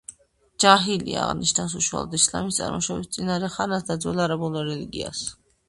ჯაჰილია აღნიშნავს უშუალოდ ისლამის წარმოშობის წინარე ხანას და ძველ არაბულ რელიგიას.